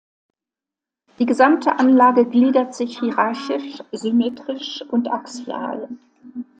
Die gesamte Anlage gliedert sich hierarchisch, symmetrisch und axial.